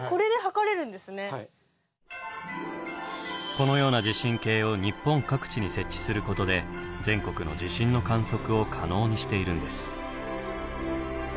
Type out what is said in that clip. このような地震計を日本各地に設置することで全国の地震の観測を可能にしているんです。